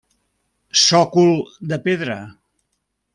Sòcol de pedra.